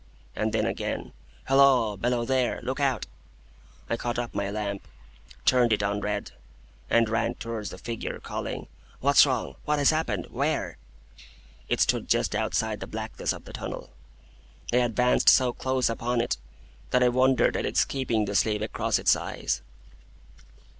And then again, 'Halloa! Below there! Look out!' I caught up my lamp, turned it on red, and ran towards the figure, calling, 'What's wrong? What has happened? Where?' It stood just outside the blackness of the tunnel. I advanced so close upon it that I wondered at its keeping the sleeve across its eyes.